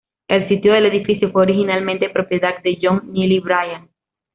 El sitio del edificio fue originalmente propiedad de John Neely Bryan.